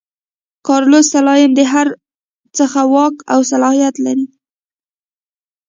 کارلوس سلایم د هر څه واک او صلاحیت لري.